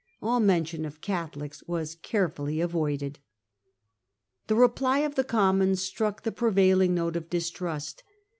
* All mention of Catholics was carefully avoided. The reply of the Commons struck the prevailing note of distrust.